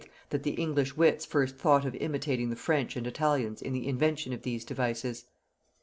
that the English wits first thought of imitating the French and Italians in the invention of these devices.